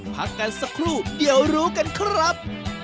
พักกันสักครู่เดี๋ยวรู้กันครับ